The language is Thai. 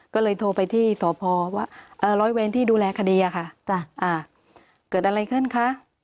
ก็เลยโทรไปที่สวว่าเอ่อร้อยเวนที่ดูแลคดียาค่ะจ้ะอ่าเกิดอะไรขึ้นคะ